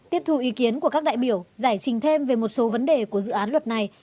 tiếp thu ý kiến của các đại biểu giải trình thêm về một số vấn đề của dự án luật này